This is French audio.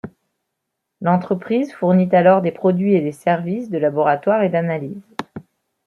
L'entreprise fournit alors des produits et des services de laboratoire et d'analyse.